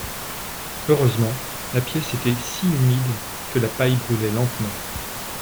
Heureusement, la pièce était si humide, que la paille brûlait lentement.